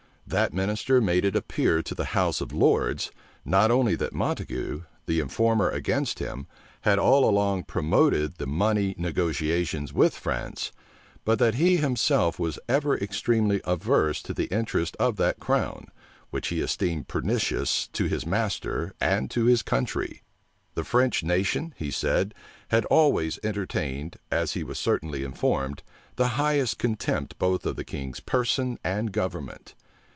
That minister made it appear to the house of lords, not only that Montague, the informer against him, had all along promoted the money negotiations with France, but that he himself was ever extremely averse to the interests of that crown, which he esteemed pernicious to his master and to his country. The French nation, he said, had always entertained, as he was certainly informed, the highest contempt both of the king's person and government.